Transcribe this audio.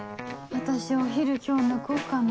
私お昼今日抜こうかな。